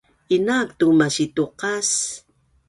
Inaak tu masituqas